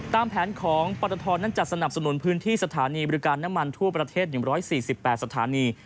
ตามแผนของปตทนั้นจะสนับสนุนพื้นที่สถานีบริการน้ำมันทั่วประเทศ๑๔๘สถานี